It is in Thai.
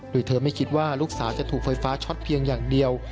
โดยเธอไม่คิดว่าลูกสาวจะถูกไฟฟ้าช็อตเพียงอย่างเดียว